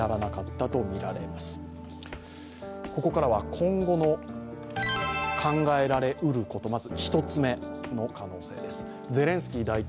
ここからは今後の考えられうること。